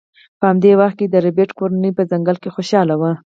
په همدې وخت کې د ربیټ کورنۍ په ځنګل کې خوشحاله وه